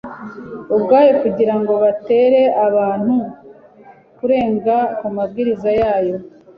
ubwayo kugira ngo batere abantu kurenga ku mabwiriza yayo